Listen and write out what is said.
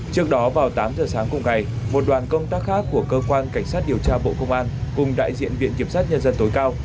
trước đó vào tám giờ sáng cùng ngày một đoàn công tác khác của cơ quan cảnh sát điều tra bộ công an cùng đại diện viện kiểm sát nhân dân tối cao